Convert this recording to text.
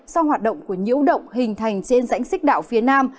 sau hoạt động của nhiễu động hình thành trên giãnh sích đảo phía nam